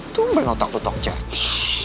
tumpah notak notak cari